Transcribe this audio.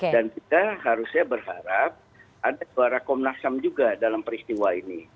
dan kita harusnya berharap ada suara komnas ham juga dalam peristiwa ini